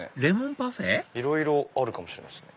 いろいろあるかもしれないですね。